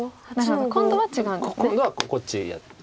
今度はこっちやって。